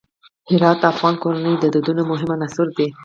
هرات د افغان کورنیو د دودونو مهم عنصر دی.